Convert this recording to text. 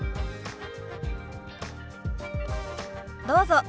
どうぞ。